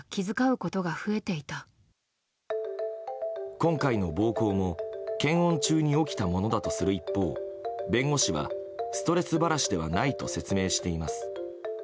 今回の暴行も検温中に起きたものだとする一方弁護士はストレス晴らしではないと説明しています。